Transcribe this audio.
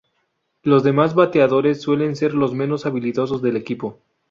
Los demás bateadores suelen ser los menos habilidosos del equipo.